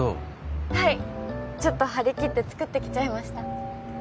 はいちょっとはりきって作ってきちゃいました